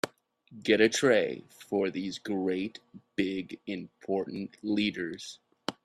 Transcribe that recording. Get a tray for these great big important leaders.